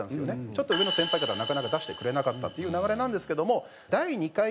ちょっと上の先輩とかなかなか出してくれなかったっていう流れなんですけども第２回にですね